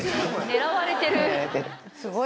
狙われてる。